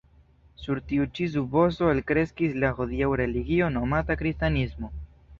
Sur tiu ĉi supozo elkreskis la hodiaŭa religio, nomata kristanismo.